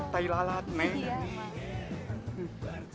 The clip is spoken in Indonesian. tak ada laler nek